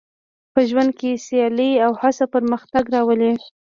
په ژوند کې سیالي او هڅه پرمختګ راولي.